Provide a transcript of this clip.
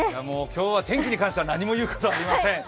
今日は天気に関しては何も言うことはありません。